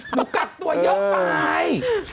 หนูกักตัวเยอะไป